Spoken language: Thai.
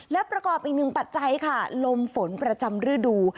และประกอบอีกหนึ่งปัจจัยค่ะลมฝนประจำฤดู